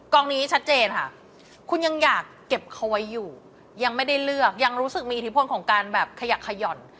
องนี้ชัดเจนค่ะคุณยังอยากเก็บเขาไว้อยู่ยังไม่ได้เลือกยังรู้สึกมีอิทธิพลของการแบบขยักขย่อน